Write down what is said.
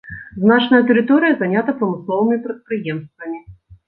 Значная тэрыторыя занята прамысловымі прадпрыемствамі.